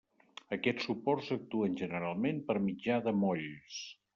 Aquests suports actuen generalment per mitjà de molls.